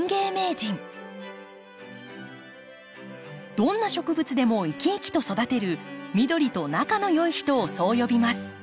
どんな植物でも生き生きと育てる緑と仲の良い人をそう呼びます。